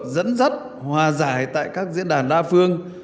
dẫn dắt hòa giải tại các diễn đàn đa phương